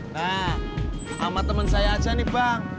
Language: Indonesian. nah sama teman saya aja nih bang